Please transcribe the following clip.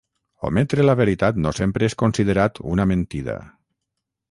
Ometre la veritat no sempre és considerat una mentida.